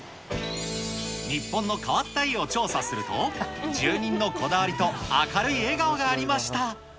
日本の変わった家を調査すると、住人のこだわりと、明るい笑顔がありました。